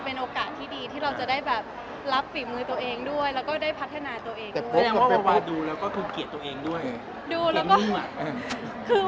เห็นว่าว้าวาดูแล้วก็พูดเกลียดตัวเองด้วย